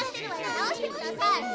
なおしてください。